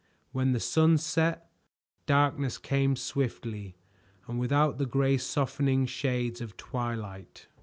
When the sun set, darkness came swiftly and without the gray softening shades of twilight.